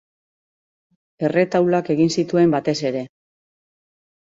Erretaulak egin zituen batez ere.